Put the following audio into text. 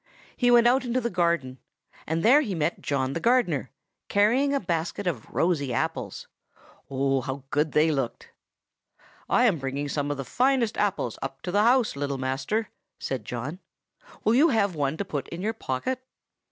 He went out into the garden, and there he met John the gardener, carrying a basket of rosy apples. Oh! how good they looked! "'I am bringing some of the finest apples up to the house, little master,' said John. 'Will you have one to put in your pocket?